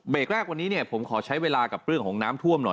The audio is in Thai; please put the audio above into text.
แรกวันนี้เนี่ยผมขอใช้เวลากับเรื่องของน้ำท่วมหน่อย